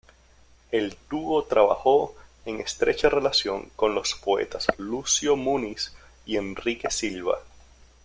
El dúo trabajó en estrecha relación con los poetas Lucio Muniz y Enrique Silva.